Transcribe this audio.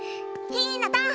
ひなた！